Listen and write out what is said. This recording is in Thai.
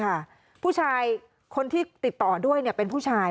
ผู้ชายคนที่ติดต่อด้วยเนี่ยเป็นผู้ชาย